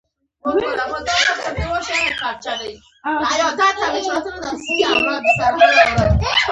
د پنځه شپیتو کلونو عمر پوره کیدل.